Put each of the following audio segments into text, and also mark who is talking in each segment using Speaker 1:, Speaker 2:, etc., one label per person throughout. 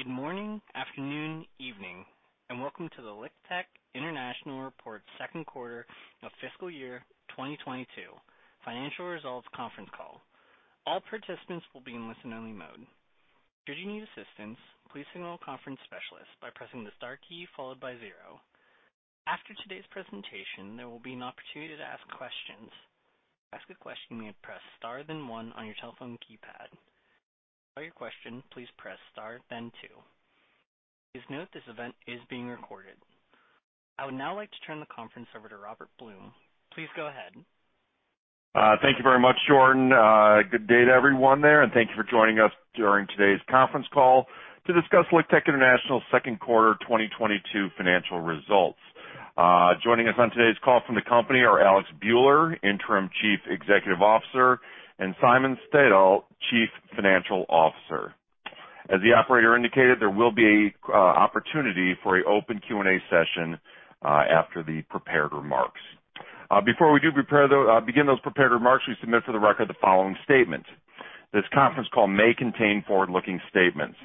Speaker 1: Good morning, afternoon, evening, and welcome to the LiqTech International reports second quarter of fiscal year 2022 financial results conference call. All participants will be in listen-only mode. Should you need assistance, please signal a conference specialist by pressing the star key followed by zero. After today's presentation, there will be an opportunity to ask questions. To ask a question, you may press star then one on your telephone keypad. For your question, please press star then two. Please note this event is being recorded. I would now like to turn the conference over to Robert Blum. Please go ahead.
Speaker 2: Thank you very much, Jordan. Good day to everyone there, and thank you for joining us during today's conference call to discuss LiqTech International's second quarter 2022 financial results. Joining us on today's call from the company are Alexander Buehler, Interim Chief Executive Officer, and Simon Stadil, Chief Financial Officer. As the operator indicated, there will be an opportunity for an open Q&A session after the prepared remarks. Before we begin those prepared remarks, we submit for the record the following statement. This conference call may contain forward-looking statements.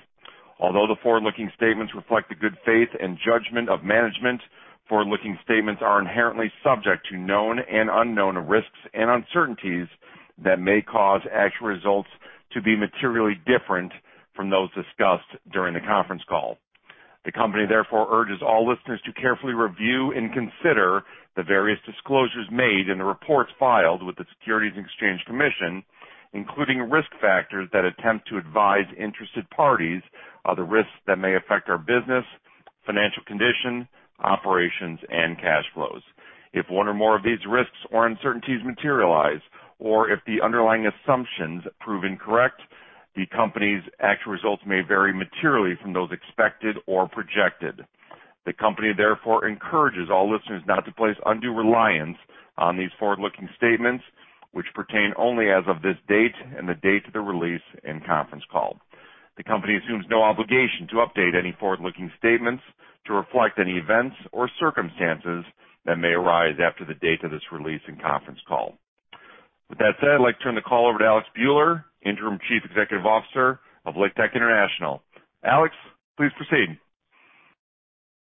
Speaker 2: Although the forward-looking statements reflect the good faith and judgment of management, forward-looking statements are inherently subject to known and unknown risks and uncertainties that may cause actual results to be materially different from those discussed during the conference call. The company therefore urges all listeners to carefully review and consider the various disclosures made in the reports filed with the Securities and Exchange Commission, including risk factors that attempt to advise interested parties of the risks that may affect our business, financial condition, operations, and cash flows. If one or more of these risks or uncertainties materialize, or if the underlying assumptions prove incorrect, the company's actual results may vary materially from those expected or projected. The company therefore encourages all listeners not to place undue reliance on these forward-looking statements, which pertain only as of this date and the date of the release and conference call. The company assumes no obligation to update any forward-looking statements to reflect any events or circumstances that may arise after the date of this release and conference call. With that said, I'd like to turn the call over to Alexander Buehler, Interim Chief Executive Officer of LiqTech International. Alex, please proceed.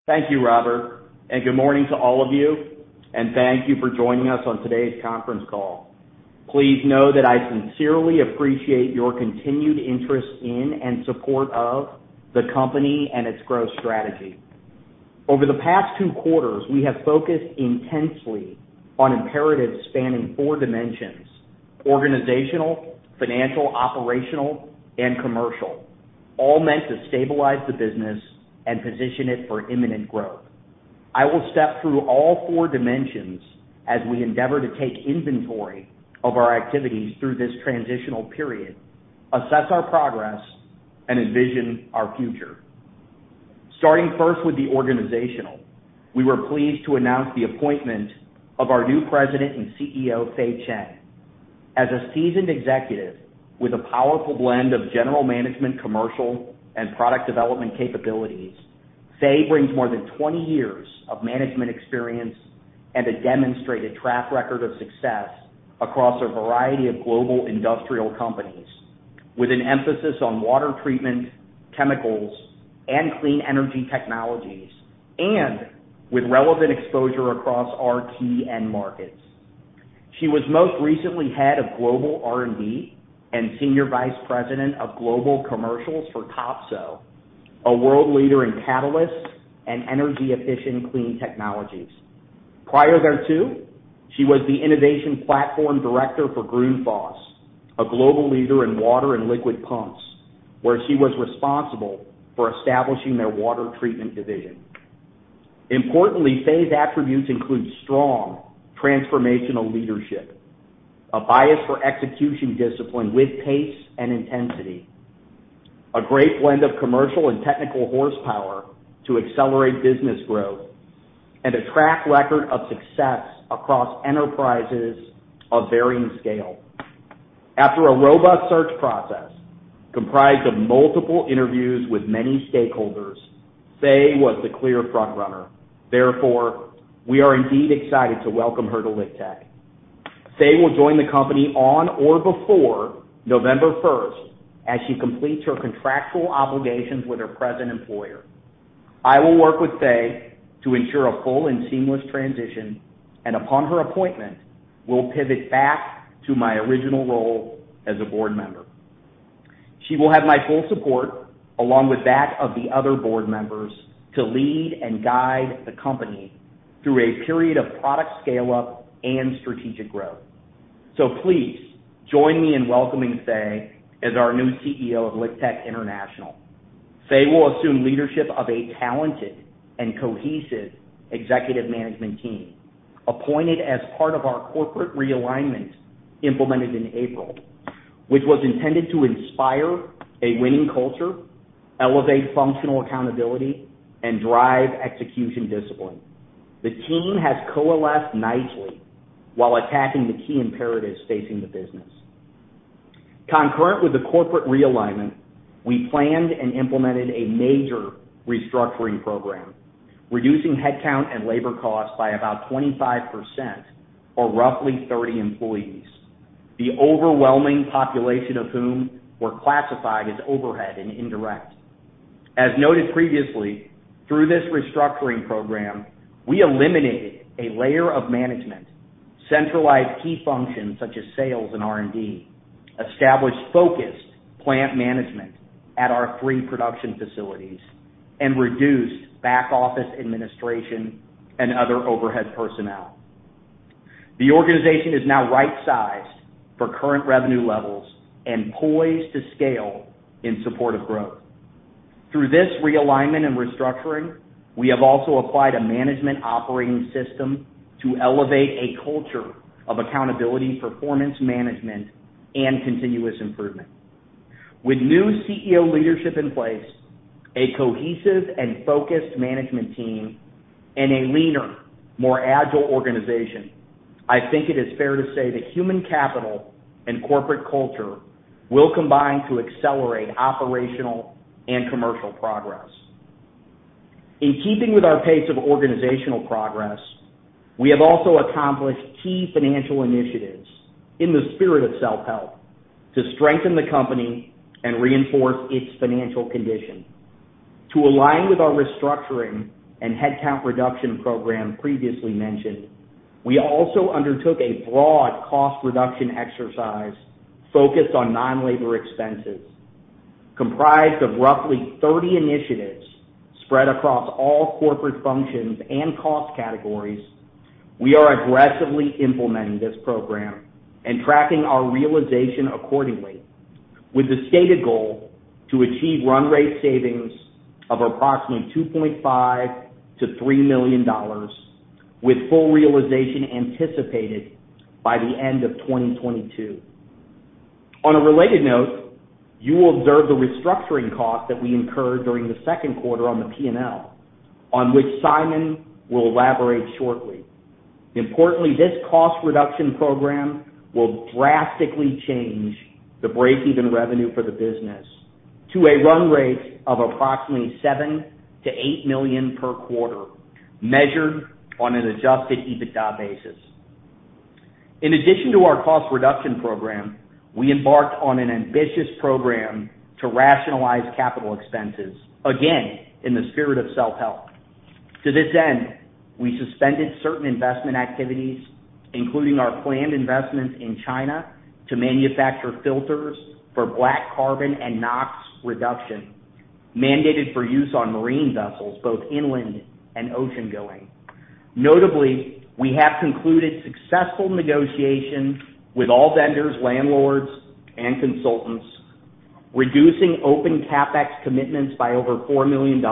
Speaker 3: Thank you, Robert, and good morning to all of you, and thank you for joining us on today's conference call. Please know that I sincerely appreciate your continued interest in and support of the company and its growth strategy. Over the past two quarters, we have focused intensely on imperatives spanning four dimensions, organizational, financial, operational, and commercial, all meant to stabilize the business and position it for imminent growth. I will step through all four dimensions as we endeavor to take inventory of our activities through this transitional period, assess our progress, and envision our future. Starting first with the organizational, we were pleased to announce the appointment of our new President and CEO, Fei Chen. As a seasoned executive with a powerful blend of general management, commercial, and product development capabilities, Fei brings more than 20 years of management experience and a demonstrated track record of success across a variety of global industrial companies with an emphasis on water treatment, chemicals, and clean energy technologies, and with relevant exposure across our key end markets. She was most recently Head of Global R&D and Senior Vice President of Global Commercials for Topsoe, a world leader in catalysts and energy-efficient clean technologies. Prior thereto, she was the Innovation Platform Director for Grundfos, a global leader in water and liquid pumps, where she was responsible for establishing their water treatment division. Importantly, Fei's attributes include strong transformational leadership, a bias for execution discipline with pace and intensity, a great blend of commercial and technical horsepower to accelerate business growth, and a track record of success across enterprises of varying scale. After a robust search process comprised of multiple interviews with many stakeholders, Fei was the clear front-runner. Therefore, we are indeed excited to welcome her to LiqTech. Fei will join the company on or before November first as she completes her contractual obligations with her present employer. I will work with Fei to ensure a full and seamless transition, and upon her appointment, will pivot back to my original role as a board member. She will have my full support, along with that of the other board members, to lead and guide the company through a period of product scale-up and strategic growth. Please join me in welcoming Fei as our new CEO of LiqTech International. Fei will assume leadership of a talented and cohesive executive management team appointed as part of our corporate realignment implemented in April, which was intended to inspire a winning culture, elevate functional accountability, and drive execution discipline. The team has coalesced nicely while attacking the key imperatives facing the business. Concurrent with the corporate realignment, we planned and implemented a major restructuring program, reducing headcount and labor costs by about 25% or roughly 30 employees. The overwhelming population of whom were classified as overhead and indirect. As noted previously, through this restructuring program, we eliminated a layer of management, centralized key functions such as sales and R&D, established focused plant management at our three production facilities, and reduced back-office administration and other overhead personnel. The organization is now right-sized for current revenue levels and poised to scale in support of growth. Through this realignment and restructuring, we have also applied a management operating system to elevate a culture of accountability, performance management, and continuous improvement. With new CEO leadership in place, a cohesive and focused management team, and a leaner, more agile organization, I think it is fair to say that human capital and corporate culture will combine to accelerate operational and commercial progress. In keeping with our pace of organizational progress, we have also accomplished key financial initiatives in the spirit of self-help to strengthen the company and reinforce its financial condition. To align with our restructuring and headcount reduction program previously mentioned, we also undertook a broad cost reduction exercise focused on non-labor expenses. Comprised of roughly 30 initiatives spread across all corporate functions and cost categories, we are aggressively implementing this program and tracking our realization accordingly with the stated goal to achieve run rate savings of approximately $2.5-3 million with full realization anticipated by the end of 2022. On a related note, you will observe the restructuring cost that we incurred during the second quarter on the P&L, on which Simon will elaborate shortly. Importantly, this cost reduction program will drastically change the break-even revenue for the business to a run rate of approximately $7-8 million per quarter, measured on an adjusted EBITDA basis. In addition to our cost reduction program, we embarked on an ambitious program to rationalize capital expenses, again, in the spirit of self-help. To this end, we suspended certain investment activities, including our planned investments in China to manufacture filters for black carbon and NOx reduction mandated for use on marine vessels, both inland and ocean-going. Notably, we have concluded successful negotiations with all vendors, landlords, and consultants, reducing open CapEx commitments by over $4 million,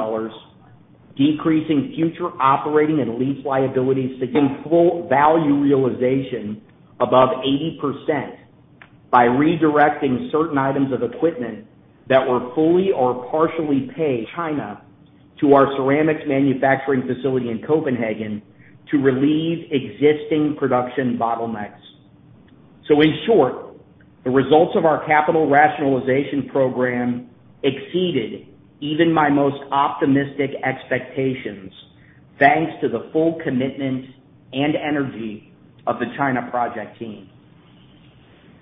Speaker 3: decreasing future operating and lease liabilities to control value realization above 80% by redirecting certain items of equipment that were fully or partially paid for China to our ceramics manufacturing facility in Copenhagen to relieve existing production bottlenecks. In short, the results of our capital rationalization program exceeded even my most optimistic expectations, thanks to the full commitment and energy of the China project team.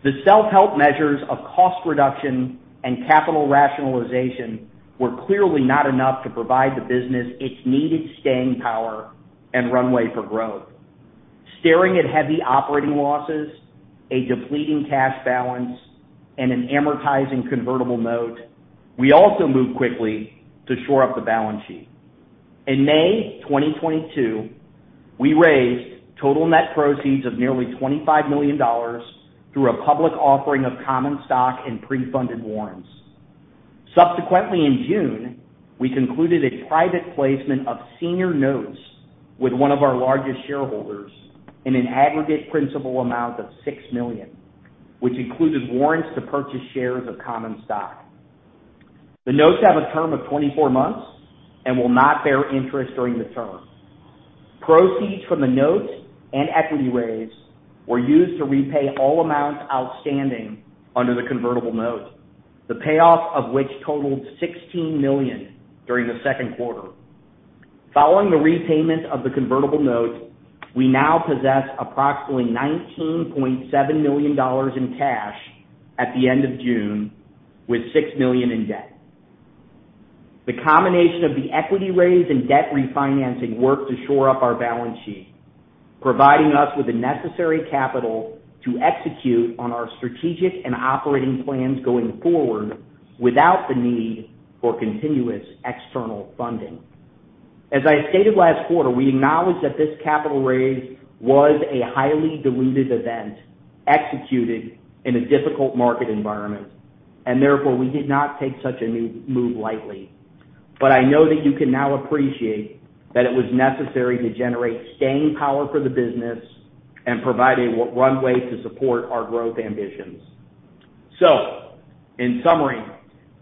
Speaker 3: The self-help measures of cost reduction and capital rationalization were clearly not enough to provide the business its needed staying power and runway for growth. Staring at heavy operating losses, a depleting cash balance, and an amortizing convertible note, we also moved quickly to shore up the balance sheet. In May 2022, we raised total net proceeds of nearly $25 million through a public offering of common stock and pre-funded warrants. Subsequently, in June, we concluded a private placement of senior notes with one of our largest shareholders in an aggregate principal amount of $6 million, which included warrants to purchase shares of common stock. The notes have a term of 24 months and will not bear interest during the term. Proceeds from the notes and equity raise were used to repay all amounts outstanding under the convertible note, the payoff of which totaled $16 million during the second quarter. Following the repayment of the convertible note, we now possess approximately $19.7 million in cash at the end of June, with $6 million in debt. The combination of the equity raise and debt refinancing worked to shore up our balance sheet, providing us with the necessary capital to execute on our strategic and operating plans going forward without the need for continuous external funding. As I stated last quarter, we acknowledge that this capital raise was a highly dilutive event executed in a difficult market environment, and therefore, we did not take such a move lightly. I know that you can now appreciate that it was necessary to generate staying power for the business and provide a runway to support our growth ambitions. In summary,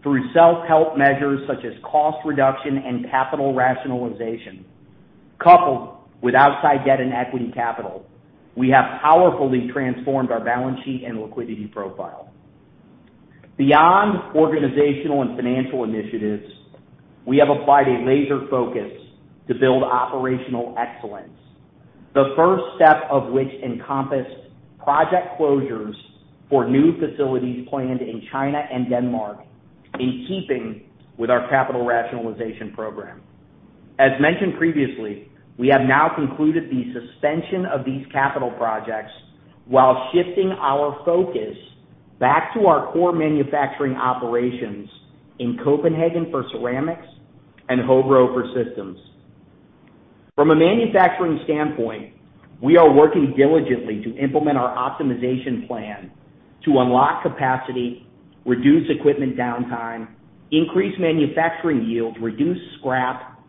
Speaker 3: through self-help measures such as cost reduction and capital rationalization, coupled with outside debt and equity capital, we have powerfully transformed our balance sheet and liquidity profile. Beyond organizational and financial initiatives, we have applied a laser focus to build operational excellence, the first step of which encompassed project closures for new facilities planned in China and Denmark in keeping with our capital rationalization program. As mentioned previously, we have now concluded the suspension of these capital projects while shifting our focus back to our core manufacturing operations in Copenhagen for ceramics and Hobro for systems. From a manufacturing standpoint, we are working diligently to implement our optimization plan to unlock capacity, reduce equipment downtime, increase manufacturing yield, reduce scrap,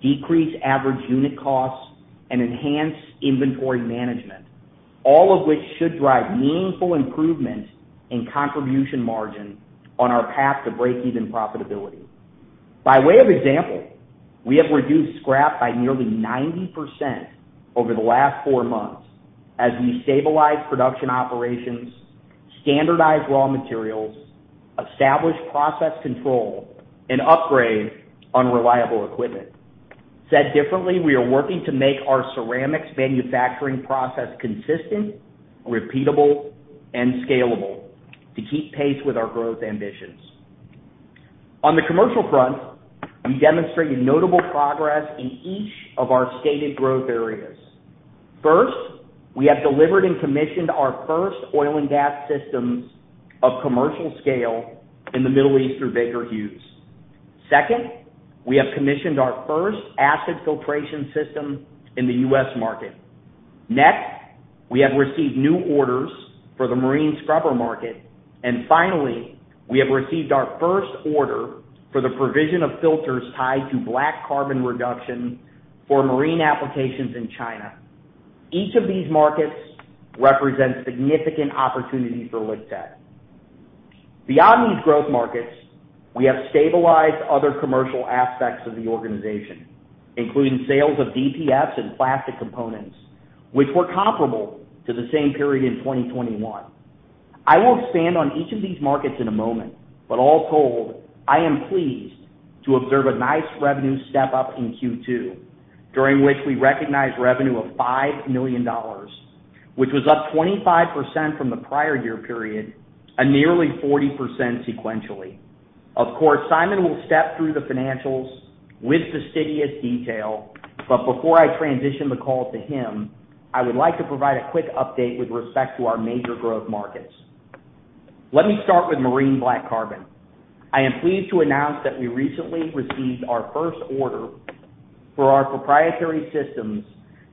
Speaker 3: decrease average unit costs, and enhance inventory management, all of which should drive meaningful improvement in contribution margin on our path to break-even profitability. By way of example, we have reduced scrap by nearly 90% over the last four months as we stabilize production operations, standardize raw materials, establish process control, and upgrade unreliable equipment. Said differently, we are working to make our ceramics manufacturing process consistent, repeatable, and scalable to keep pace with our growth ambitions. On the commercial front, we demonstrated notable progress in each of our stated growth areas. First, we have delivered and commissioned our first oil and gas systems of commercial scale in the Middle East through Baker Hughes. Second, we have commissioned our first acid filtration system in the U.S. market. Next, we have received new orders for the marine scrubber market. Finally, we have received our first order for the provision of filters tied to black carbon reduction for marine applications in China. Each of these markets represents significant opportunity for LiqTech. Beyond these growth markets, we have stabilized other commercial aspects of the organization, including sales of DPFs and plastic components, which were comparable to the same period in 2021. I will expand on each of these markets in a moment, but all told, I am pleased to observe a nice revenue step-up in Q2, during which we recognized revenue of $5 million, which was up 25% from the prior year period, and nearly 40% sequentially. Of course, Simon will step through the financials with fastidious detail, but before I transition the call to him, I would like to provide a quick update with respect to our major growth markets. Let me start with marine black carbon. I am pleased to announce that we recently received our first order for our proprietary systems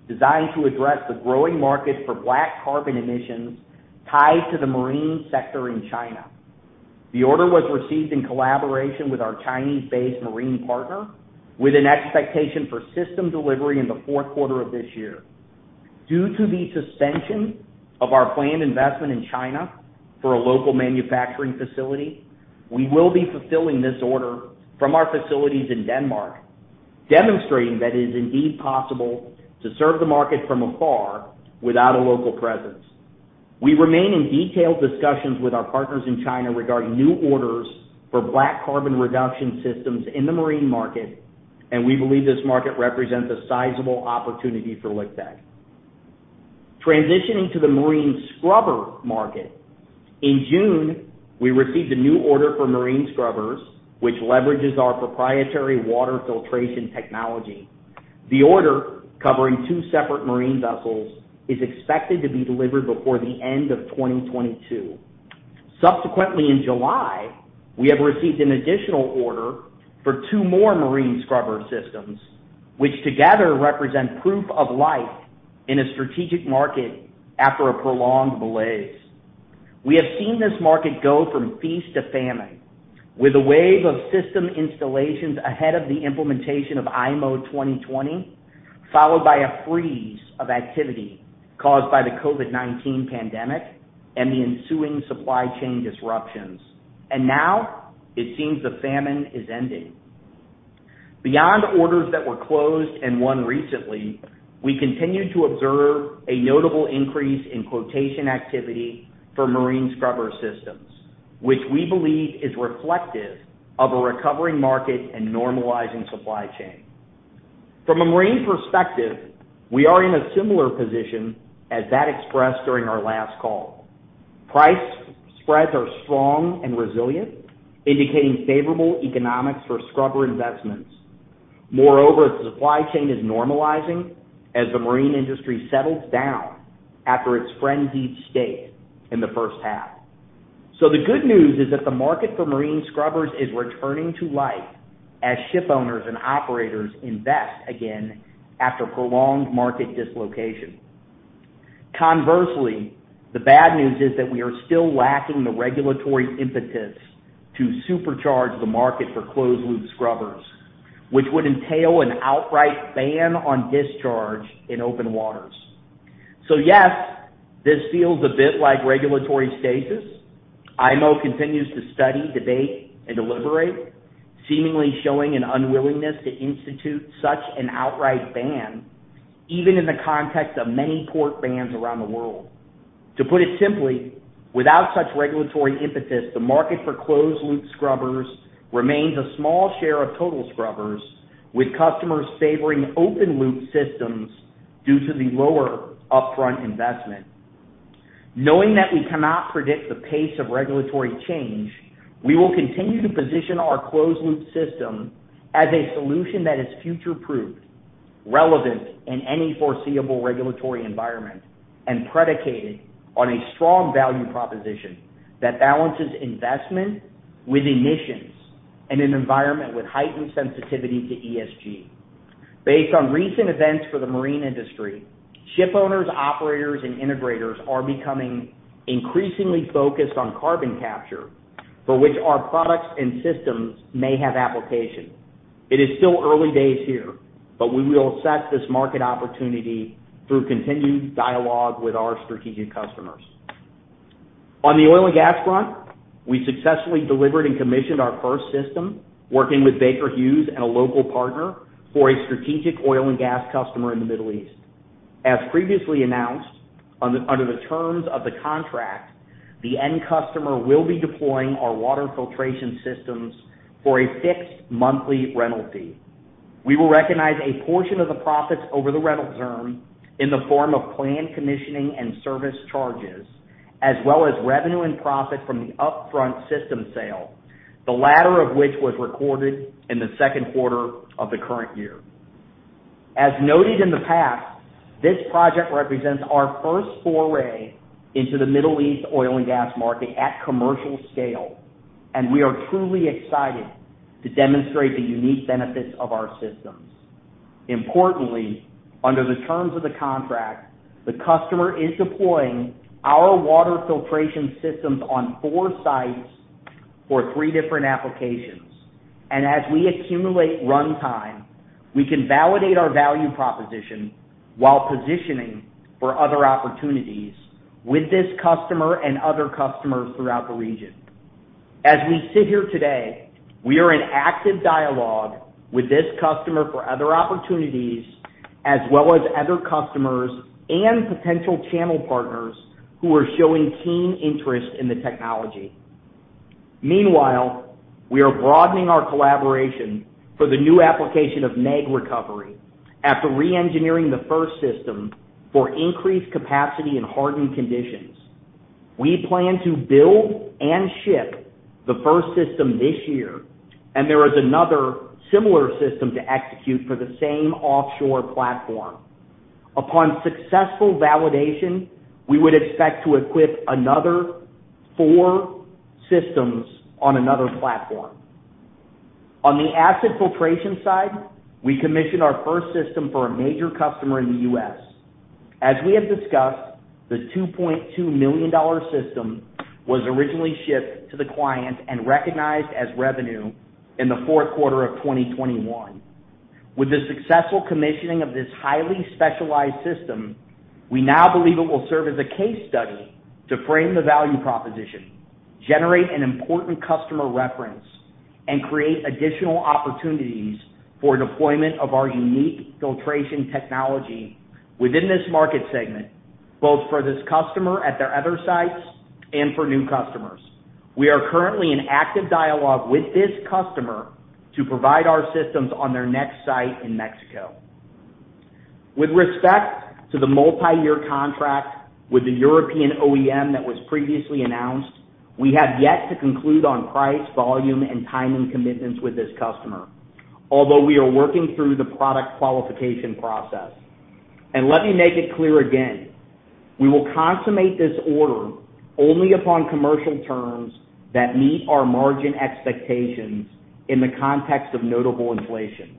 Speaker 3: designed to address the growing market for black carbon emissions tied to the marine sector in China. The order was received in collaboration with our Chinese-based marine partner with an expectation for system delivery in the fourth quarter of this year. Due to the suspension of our planned investment in China for a local manufacturing facility, we will be fulfilling this order from our facilities in Denmark, demonstrating that it is indeed possible to serve the market from afar without a local presence. We remain in detailed discussions with our partners in China regarding new orders for black carbon reduction systems in the marine market, and we believe this market represents a sizable opportunity for LiqTech. Transitioning to the marine scrubber market. In June, we received a new order for marine scrubbers, which leverages our proprietary water filtration technology. The order, covering two separate marine vessels, is expected to be delivered before the end of 2022. Subsequently, in July, we have received an additional order for two more marine scrubber systems, which together represent proof of life in a strategic market after a prolonged malaise. We have seen this market go from feast to famine, with a wave of system installations ahead of the implementation of IMO 2020, followed by a freeze of activity caused by the COVID-19 pandemic and the ensuing supply chain disruptions. Now it seems the famine is ending. Beyond orders that were closed and won recently, we continue to observe a notable increase in quotation activity for marine scrubber systems, which we believe is reflective of a recovering market and normalizing supply chain. From a marine perspective, we are in a similar position as that expressed during our last call. Price spreads are strong and resilient, indicating favorable economics for scrubber investments. Moreover, the supply chain is normalizing as the marine industry settles down after its frenzied state in the first half. The good news is that the market for marine scrubbers is returning to life as ship owners and operators invest again after prolonged market dislocation. Conversely, the bad news is that we are still lacking the regulatory impetus to supercharge the market for closed-loop scrubbers, which would entail an outright ban on discharge in open waters. Yes, this feels a bit like regulatory stasis. IMO continues to study, debate, and deliberate, seemingly showing an unwillingness to institute such an outright ban. Even in the context of many port bans around the world. To put it simply, without such regulatory impetus, the market for closed-loop scrubbers remains a small share of total scrubbers, with customers favoring open-loop systems due to the lower upfront investment. Knowing that we cannot predict the pace of regulatory change, we will continue to position our closed-loop system as a solution that is future-proofed, relevant in any foreseeable regulatory environment, and predicated on a strong value proposition that balances investment with emissions in an environment with heightened sensitivity to ESG. Based on recent events for the marine industry, ship owners, operators, and integrators are becoming increasingly focused on carbon capture, for which our products and systems may have application. It is still early days here, but we will seize this market opportunity through continued dialogue with our strategic customers. On the oil and gas front, we successfully delivered and commissioned our first system working with Baker Hughes and a local partner for a strategic oil and gas customer in the Middle East. As previously announced, under the terms of the contract, the end customer will be deploying our water filtration systems for a fixed monthly rental fee. We will recognize a portion of the profits over the rental term in the form of planned commissioning and service charges, as well as revenue and profit from the upfront system sale, the latter of which was recorded in the second quarter of the current year. As noted in the past, this project represents our first foray into the Middle East oil and gas market at commercial scale, and we are truly excited to demonstrate the unique benefits of our systems. Importantly, under the terms of the contract, the customer is deploying our water filtration systems on four sites for three different applications. As we accumulate runtime, we can validate our value proposition while positioning for other opportunities with this customer and other customers throughout the region. As we sit here today, we are in active dialogue with this customer for other opportunities, as well as other customers and potential channel partners who are showing keen interest in the technology. Meanwhile, we are broadening our collaboration for the new application of MEG recovery. After re-engineering the first system for increased capacity and hardened conditions, we plan to build and ship the first system this year, and there is another similar system to execute for the same offshore platform. Upon successful validation, we would expect to equip another four systems on another platform. On the acid filtration side, we commissioned our first system for a major customer in the U.S. As we have discussed, the $2.2 million system was originally shipped to the client and recognized as revenue in the fourth quarter of 2021. With the successful commissioning of this highly specialized system, we now believe it will serve as a case study to frame the value proposition, generate an important customer reference, and create additional opportunities for deployment of our unique filtration technology within this market segment, both for this customer at their other sites and for new customers. We are currently in active dialogue with this customer to provide our systems on their next site in Mexico. With respect to the multi-year contract with the European OEM that was previously announced, we have yet to conclude on price, volume, and timing commitments with this customer, although we are working through the product qualification process. Let me make it clear again, we will consummate this order only upon commercial terms that meet our margin expectations in the context of notable inflation.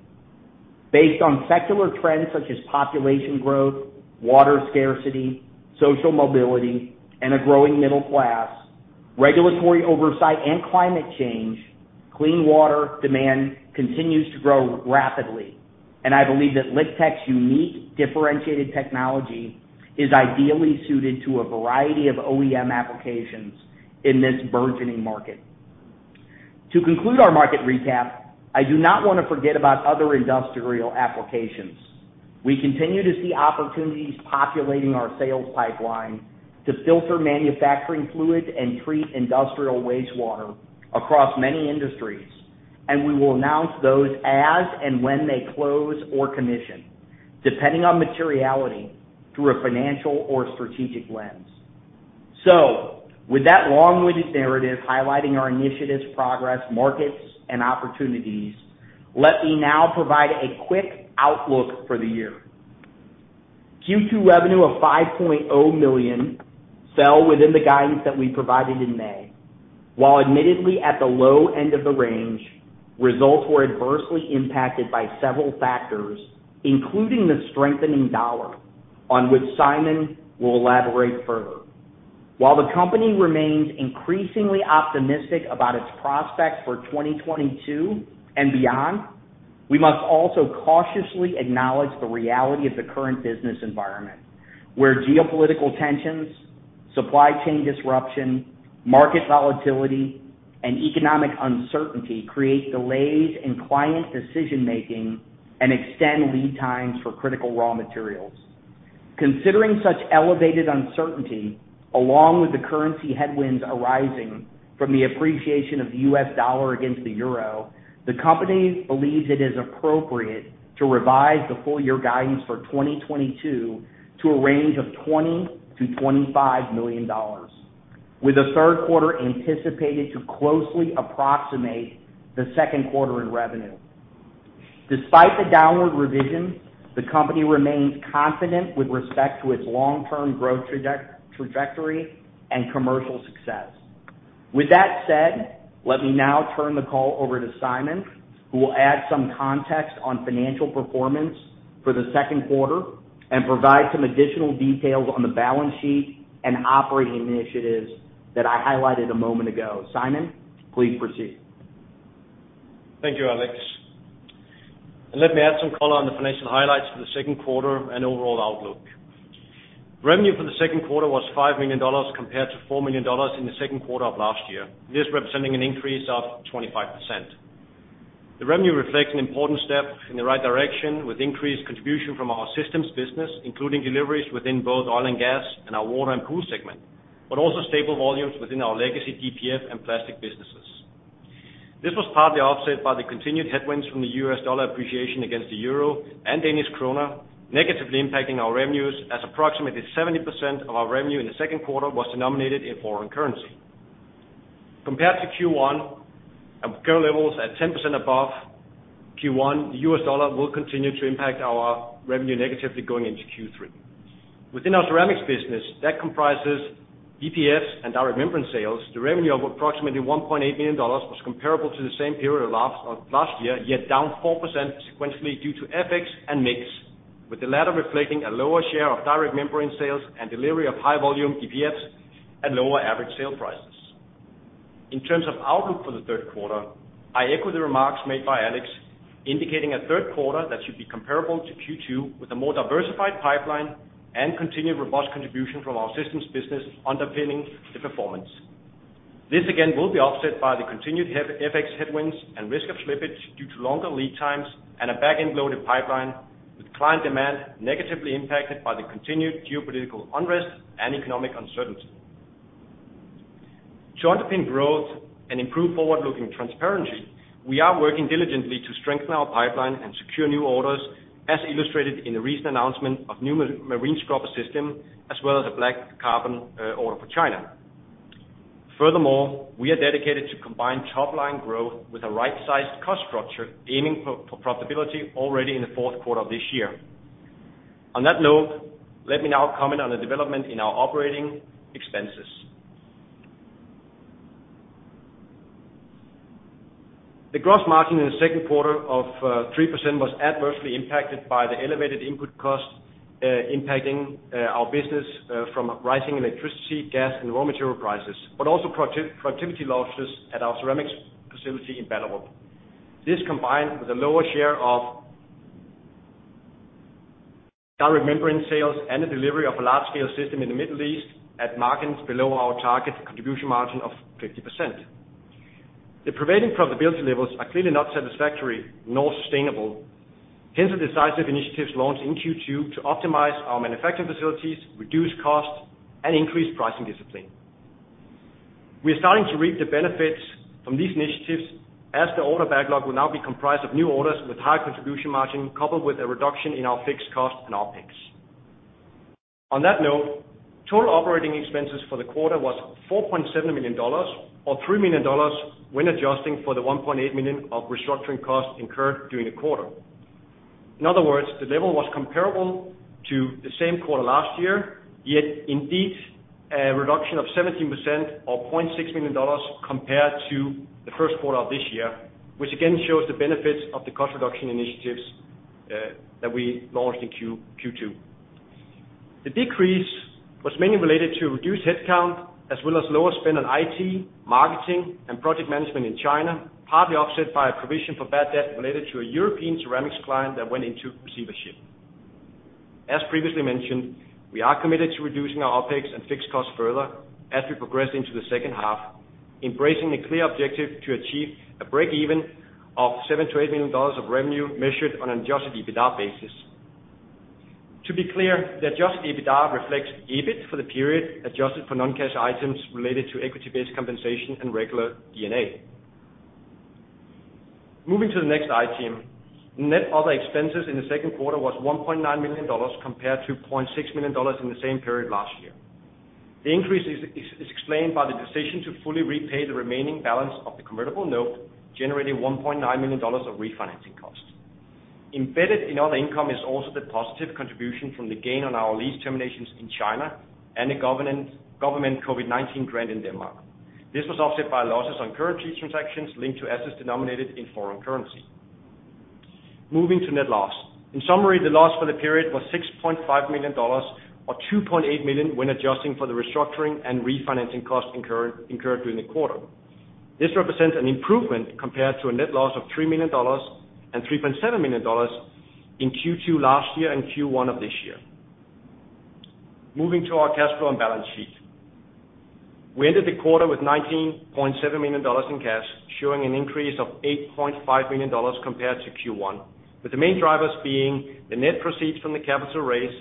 Speaker 3: Based on secular trends such as population growth, water scarcity, social mobility, and a growing middle class, regulatory oversight, and climate change, clean water demand continues to grow rapidly. I believe that LiqTech's unique differentiated technology is ideally suited to a variety of OEM applications in this burgeoning market. To conclude our market recap, I do not wanna forget about other industrial applications. We continue to see opportunities populating our sales pipeline to filter manufacturing fluid and treat industrial wastewater across many industries, and we will announce those as and when they close or commission, depending on materiality through a financial or strategic lens. With that long-winded narrative highlighting our initiatives, progress, markets, and opportunities, let me now provide a quick outlook for the year. Q2 revenue of $5.0 million fell within the guidance that we provided in May. While admittedly at the low end of the range, results were adversely impacted by several factors, including the strengthening US dollar, on which Simon will elaborate further. While the company remains increasingly optimistic about its prospects for 2022 and beyond, we must also cautiously acknowledge the reality of the current business environment, where geopolitical tensions, supply chain disruption, market volatility, and economic uncertainty create delays in client decision-making and extend lead times for critical raw materials. Considering such elevated uncertainty, along with the currency headwinds arising from the appreciation of the US dollar against the euro, the company believes it is appropriate to revise the full year guidance for 2022 to a range of $20-25 million, with the third quarter anticipated to closely approximate the second quarter in revenue. Despite the downward revision, the company remains confident with respect to its long-term growth trajectory and commercial success. With that said, let me now turn the call over to Simon, who will add some context on financial performance for the second quarter and provide some additional details on the balance sheet and operating initiatives that I highlighted a moment ago. Simon, please proceed.
Speaker 4: Thank you, Alex. Let me add some color on the financial highlights for the second quarter and overall outlook. Revenue for the second quarter was $5 million compared to $4 million in the second quarter of last year. This representing an increase of 25%. The revenue reflects an important step in the right direction, with increased contribution from our systems business, including deliveries within both oil and gas and our water and pool segment, but also stable volumes within our legacy DPF and plastic businesses. This was partly offset by the continued headwinds from the US dollar appreciation against the euro and Danish krone, negatively impacting our revenues as approximately 70% of our revenue in the second quarter was denominated in foreign currency. Compared to Q1, our current levels at 10% above Q1, the US dollar will continue to impact our revenue negatively going into Q3. Within our ceramics business that comprises DPFs and direct membrane sales, the revenue of approximately $1.8 million was comparable to the same period of last year, yet down 4% sequentially due to FX and mix, with the latter reflecting a lower share of direct membrane sales and delivery of high volume DPFs at lower average sale prices. In terms of outlook for the third quarter, I echo the remarks made by Alex, indicating a third quarter that should be comparable to Q2 with a more diversified pipeline and continued robust contribution from our systems business underpinning the performance. This again will be offset by the continued FX headwinds and risk of slippage due to longer lead times and a back-end loaded pipeline, with client demand negatively impacted by the continued geopolitical unrest and economic uncertainty. To underpin growth and improve forward-looking transparency, we are working diligently to strengthen our pipeline and secure new orders, as illustrated in the recent announcement of new marine scrubber system, as well as a black carbon order for China. Furthermore, we are dedicated to combine top line growth with a right-sized cost structure, aiming for profitability already in the fourth quarter of this year. On that note, let me now comment on the development in our operating expenses. The gross margin in the second quarter of 3% was adversely impacted by the elevated input cost impacting our business from rising electricity, gas, and raw material prices, but also productivity losses at our ceramics facility in Ballerup. This combined with a lower share of direct membrane sales and the delivery of a large-scale system in the Middle East at margins below our target contribution margin of 50%. The prevailing profitability levels are clearly not satisfactory nor sustainable. Hence, the decisive initiatives launched in Q2 to optimize our manufacturing facilities, reduce costs, and increase pricing discipline. We are starting to reap the benefits from these initiatives as the order backlog will now be comprised of new orders with high contribution margin, coupled with a reduction in our fixed cost and OpEx. On that note, total operating expenses for the quarter was $4.7 million or $3 million when adjusting for the $1.8 million of restructuring costs incurred during the quarter. In other words, the level was comparable to the same quarter last year, yet indeed a reduction of 17% or $0.6 million compared to the first quarter of this year, which again shows the benefits of the cost reduction initiatives that we launched in Q2. The decrease was mainly related to reduced headcount as well as lower spend on IT, marketing, and project management in China, partly offset by a provision for bad debt related to a European ceramics client that went into receivership. As previously mentioned, we are committed to reducing our OpEx and fixed costs further as we progress into the second half, embracing a clear objective to achieve a breakeven of $7-8 million of revenue measured on an adjusted EBITDA basis. To be clear, the adjusted EBITDA reflects EBIT for the period, adjusted for non-cash items related to equity-based compensation and regular D&A. Moving to the next item, net other expenses in the second quarter was $1.9 million compared to $0.6 million in the same period last year. The increase is explained by the decision to fully repay the remaining balance of the convertible note, generating $1.9 million of refinancing costs. Embedded in other income is also the positive contribution from the gain on our lease terminations in China and the government COVID-19 grant in Denmark. This was offset by losses on currency transactions linked to assets denominated in foreign currency. Moving to net loss. In summary, the loss for the period was $6.5 million or $2.8 million when adjusting for the restructuring and refinancing costs incurred during the quarter. This represents an improvement compared to a net loss of $3 million and $3.7 million in Q2 last year and Q1 of this year. Moving to our cash flow and balance sheet. We ended the quarter with $19.7 million in cash, showing an increase of $8.5 million compared to Q1, with the main drivers being the net proceeds from the capital raise,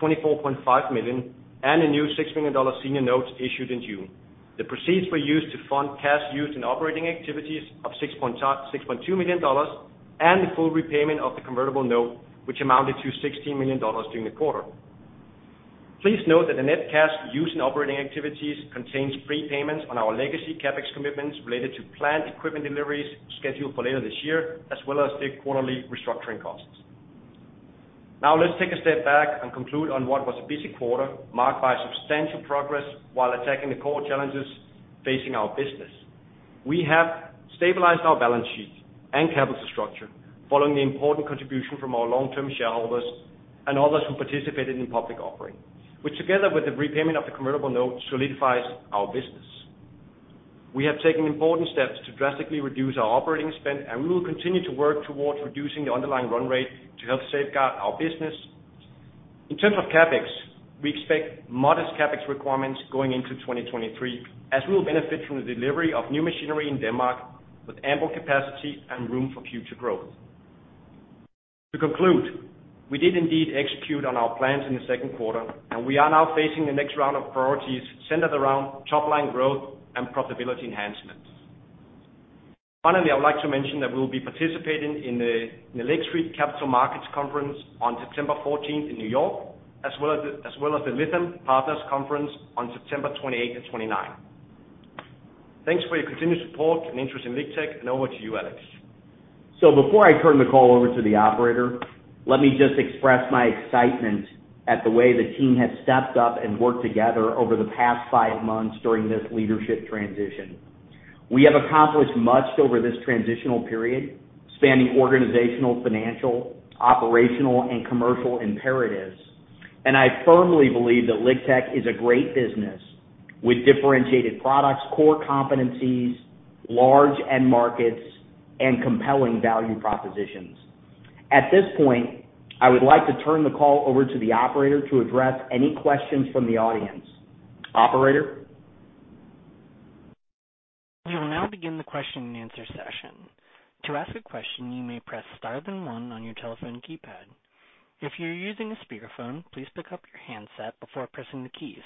Speaker 4: $24.5 million, and a new $6 million senior notes issued in June. The proceeds were used to fund cash used in operating activities of $6.2 million and the full repayment of the convertible note, which amounted to $16 million during the quarter. Please note that the net cash used in operating activities contains prepayments on our legacy CapEx commitments related to planned equipment deliveries scheduled for later this year, as well as the quarterly restructuring costs. Now let's take a step back and conclude on what was a busy quarter marked by substantial progress while attacking the core challenges facing our business. We have stabilized our balance sheet and capital structure following the important contribution from our long-term shareholders and others who participated in public offering, which, together with the repayment of the convertible note, solidifies our business. We have taken important steps to drastically reduce our operating spend, and we will continue to work towards reducing the underlying run rate to help safeguard our business. In terms of CapEx, we expect modest CapEx requirements going into 2023, as we will benefit from the delivery of new machinery in Denmark with ample capacity and room for future growth. To conclude, we did indeed execute on our plans in the second quarter, and we are now facing the next round of priorities centered around top line growth and profitability enhancements. Finally, I would like to mention that we'll be participating in the Lake Street Capital Markets Conference on September fourteenth in New York, as well as the Lytham Partners Conference on September twenty-eight and twenty-nine. Thanks for your continued support and interest in LiqTech, and over to you, Alex.
Speaker 3: Before I turn the call over to the operator, let me just express my excitement at the way the team has stepped up and worked together over the past five months during this leadership transition. We have accomplished much over this transitional period, spanning organizational, financial, operational, and commercial imperatives. I firmly believe that LiqTech is a great business with differentiated products, core competencies, large end markets, and compelling value propositions. At this point, I would like to turn the call over to the operator to address any questions from the audience. Operator?
Speaker 1: We will now begin the question-and-answer session. To ask a question, you may press star then one on your telephone keypad. If you're using a speakerphone, please pick up your handset before pressing the keys.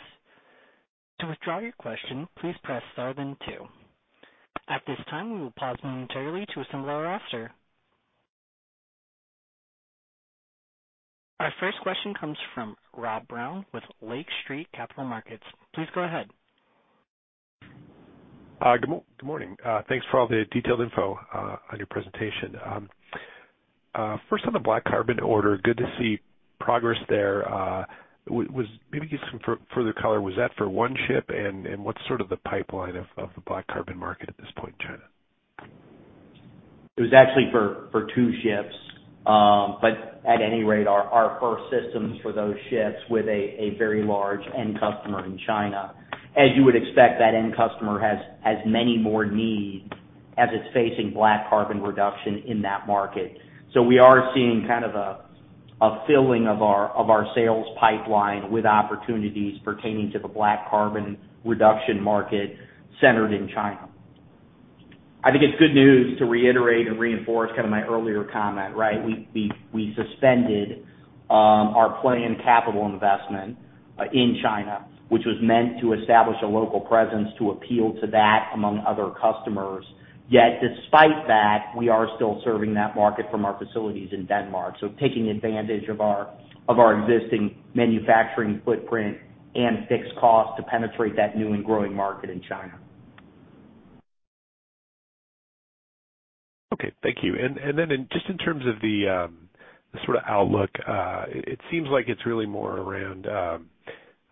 Speaker 1: To withdraw your question, please press star then two. At this time, we will pause momentarily to assemble our roster. Our first question comes from Rob Brown with Lake Street Capital Markets. Please go ahead.
Speaker 5: Good morning. Thanks for all the detailed info on your presentation. First on the black carbon order, good to see progress there. Maybe give some further color. Was that for one ship? What's sort of the pipeline of the black carbon market at this point in China?
Speaker 3: It was actually for two ships. But at any rate, our first systems for those ships with a very large end customer in China. As you would expect, that end customer has many more needs as it's facing black carbon reduction in that market. We are seeing kind of a filling of our sales pipeline with opportunities pertaining to the black carbon reduction market centered in China. I think it's good news to reiterate and reinforce kind of my earlier comment, right? We suspended our play in capital investment in China, which was meant to establish a local presence to appeal to that among other customers. Yet despite that, we are still serving that market from our facilities in Denmark. taking advantage of our existing manufacturing footprint and fixed costs to penetrate that new and growing market in China.
Speaker 5: Okay. Thank you. Then just in terms of the sort of outlook, it seems like it's really more around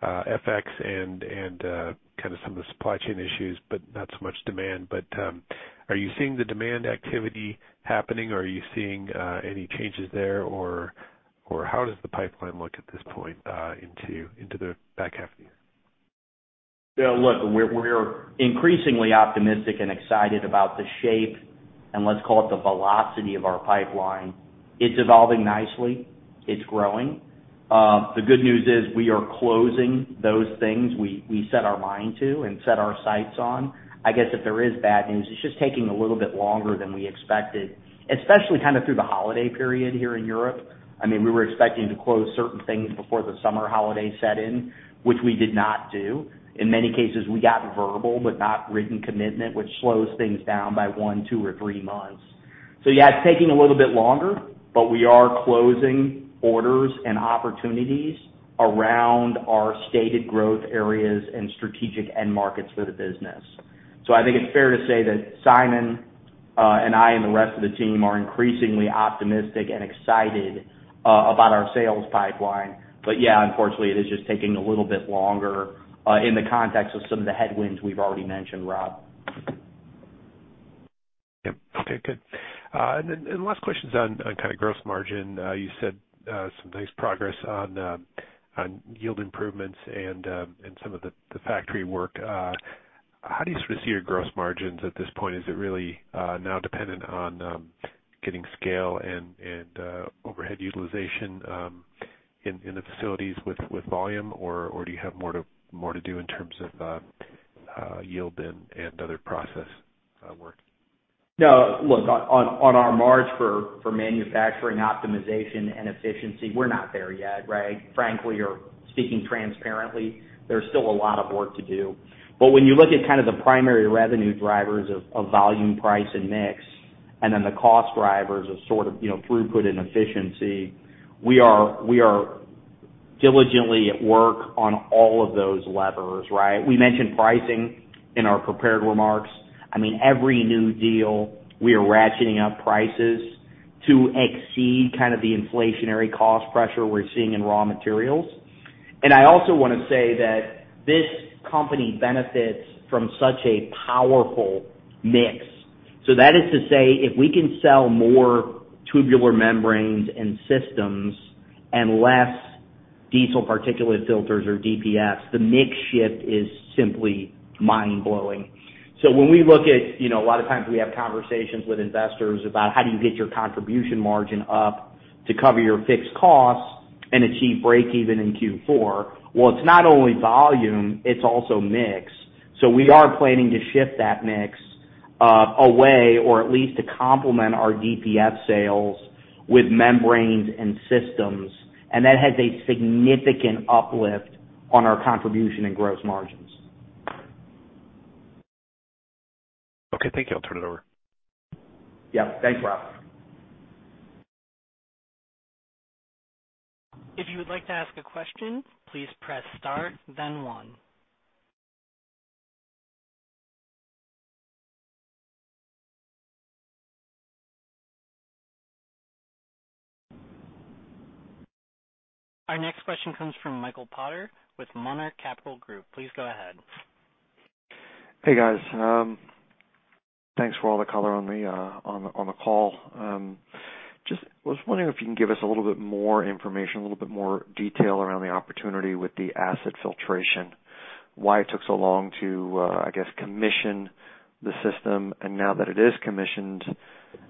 Speaker 5: FX and kinda some of the supply chain issues, but not so much demand. Are you seeing the demand activity happening or are you seeing any changes there, or how does the pipeline look at this point into the back half of the year?
Speaker 3: Yeah. Look, we're increasingly optimistic and excited about the shape and let's call it the velocity of our pipeline. It's evolving nicely. It's growing. The good news is we are closing those things we set our mind to and set our sights on. I guess if there is bad news, it's just taking a little bit longer than we expected, especially kind of through the holiday period here in Europe. I mean, we were expecting to close certain things before the summer holiday set in, which we did not do. In many cases, we got verbal but not written commitment, which slows things down by one, two, or three months. Yeah, it's taking a little bit longer, but we are closing orders and opportunities around our stated growth areas and strategic end markets for the business. I think it's fair to say that Simon, and I, and the rest of the team are increasingly optimistic and excited about our sales pipeline. Yeah, unfortunately, it is just taking a little bit longer in the context of some of the headwinds we've already mentioned, Rob.
Speaker 5: Yep. Okay, good. Last question is on kind of gross margin. You said some nice progress on yield improvements and some of the factory work. How do you sort of see your gross margins at this point? Is it really now dependent on getting scale and overhead utilization in the facilities with volume? Do you have more to do in terms of yield and other process work?
Speaker 3: No, look, on our march for manufacturing optimization and efficiency, we're not there yet, right? Frankly speaking, there's still a lot of work to do. When you look at kind of the primary revenue drivers of volume, price and mix, and then the cost drivers of sort of, you know, throughput and efficiency, we are diligently at work on all of those levers, right? We mentioned pricing in our prepared remarks. I mean, every new deal, we are ratcheting up prices to exceed kind of the inflationary cost pressure we're seeing in raw materials. I also wanna say that this company benefits from such a powerful mix. That is to say, if we can sell more tubular membranes and systems and less diesel particulate filters or DPF, the mix shift is simply mind-blowing. When we look at, you know, a lot of times we have conversations with investors about how do you get your contribution margin up to cover your fixed costs and achieve breakeven in Q4? Well, it's not only volume, it's also mix. We are planning to shift that mix, away or at least to complement our DPF sales with membranes and systems, and that has a significant uplift on our contribution and gross margins.
Speaker 5: Okay. Thank you. I'll turn it over.
Speaker 3: Yep. Thanks, Rob.
Speaker 1: If you would like to ask a question, please press star, then one. Our next question comes from Michael Potter with Monarch Capital Group. Please go ahead.
Speaker 6: Hey, guys. Thanks for all the color on the call. Just was wondering if you can give us a little bit more information, a little bit more detail around the opportunity with the acid filtration. Why it took so long to, I guess, commission the system, and now that it is commissioned,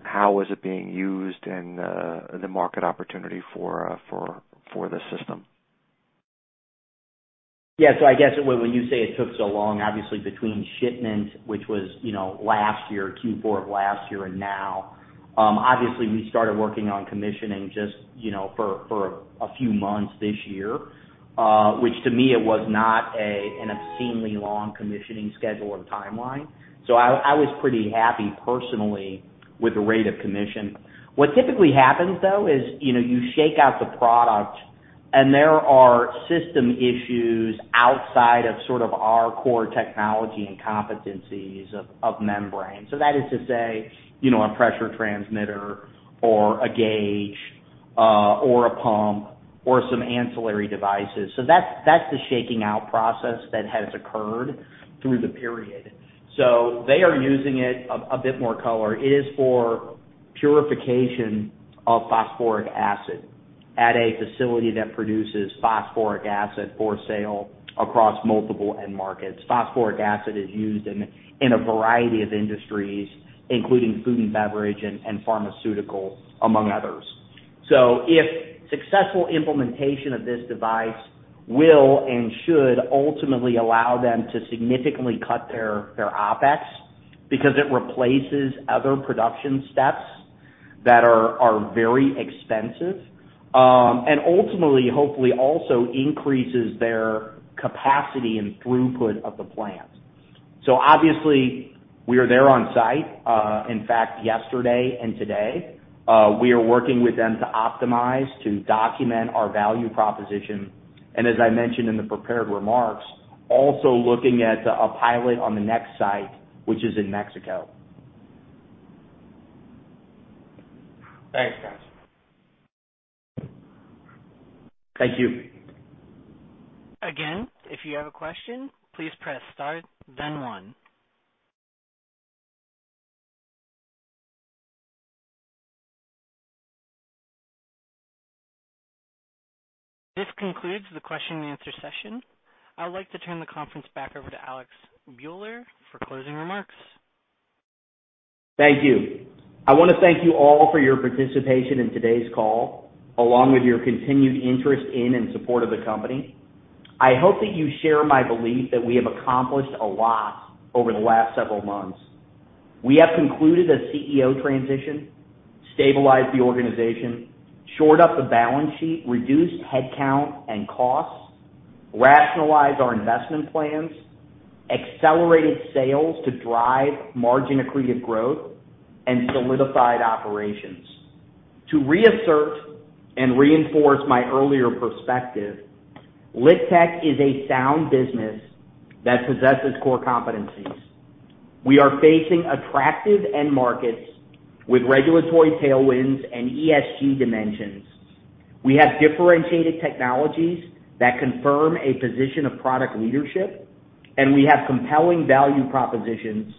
Speaker 6: how is it being used and the market opportunity for this system?
Speaker 3: I guess when you say it took so long, obviously between shipment, which was, you know, last year, Q4 of last year and now, obviously we started working on commissioning just, you know, for a few months this year, which to me it was not an obscenely long commissioning schedule or timeline. I was pretty happy personally with the rate of commission. What typically happens though is, you know, you shake out the product and there are system issues outside of sort of our core technology and competencies of membrane. That is to say, you know, a pressure transmitter or a gauge, or a pump or some ancillary devices. That's the shaking out process that has occurred through the period. They are using it. A bit more color. It is for purification of phosphoric acid at a facility that produces phosphoric acid for sale across multiple end markets. Phosphoric acid is used in a variety of industries, including food and beverage and pharmaceuticals, among others. If successful implementation of this device will and should ultimately allow them to significantly cut their OpEx because it replaces other production steps that are very expensive and ultimately, hopefully also increases their capacity and throughput of the plant. Obviously we are there on site, in fact, yesterday and today. We are working with them to optimize, to document our value proposition, and as I mentioned in the prepared remarks, also looking at a pilot on the next site, which is in Mexico.
Speaker 6: Thanks, guys.
Speaker 3: Thank you.
Speaker 1: Again, if you have a question, please press star, then one. This concludes the question and answer session. I would like to turn the conference back over to Alexander Buehler for closing remarks.
Speaker 3: Thank you. I wanna thank you all for your participation in today's call, along with your continued interest in and support of the company. I hope that you share my belief that we have accomplished a lot over the last several months. We have concluded a CEO transition, stabilized the organization, shored up the balance sheet, reduced headcount and costs, rationalized our investment plans, accelerated sales to drive margin accretive growth, and solidified operations. To reassert and reinforce my earlier perspective, LiqTech is a sound business that possesses core competencies. We are facing attractive end markets with regulatory tailwinds and ESG dimensions. We have differentiated technologies that confirm a position of product leadership, and we have compelling value propositions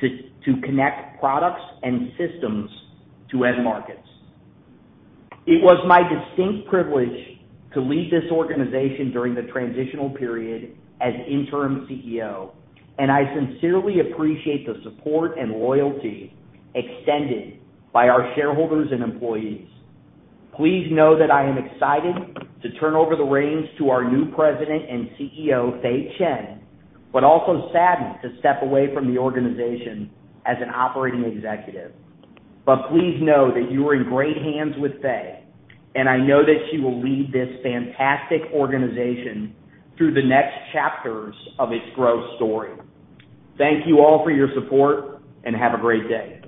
Speaker 3: to connect products and systems to end markets. It was my distinct privilege to lead this organization during the transitional period as interim CEO, and I sincerely appreciate the support and loyalty extended by our shareholders and employees. Please know that I am excited to turn over the reins to our new President and CEO, Fei Chen, but also saddened to step away from the organization as an operating executive. Please know that you are in great hands with Fei, and I know that she will lead this fantastic organization through the next chapters of its growth story. Thank you all for your support and have a great day.